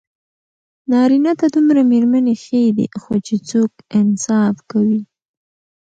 نارېنه ته دوه ميرمني ښې دي، خو چې څوک انصاف کوي